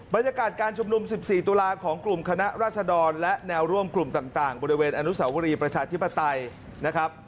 บรรยากาศการชุมนุม๑๔ตุลาของกลุ่มคณะราษดรและแนวร่วมกลุ่มต่างบริเวณอนุสาวรีประชาธิปไตยนะครับ